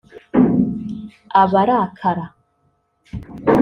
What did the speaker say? abarakara